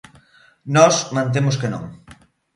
Nós mantemos que non.